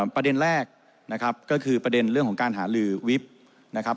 ประเด็นแรกนะครับก็คือประเด็นเรื่องของการหาลือวิบนะครับ